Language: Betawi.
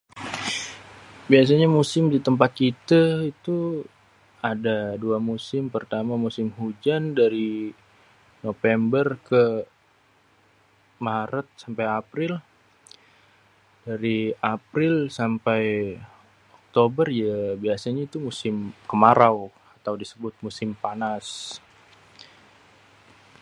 Biasanya musim di tèmpat kitê tu ada dua musim. Pertama musim hujan dari Nopember ke Maret sampai April. Dari April sampai Oktober yê biasanya itu musim kemarau atau disebut musim panas.